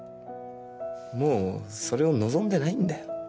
もうそれを望んでないんだよ。